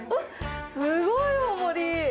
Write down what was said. すごい大盛り。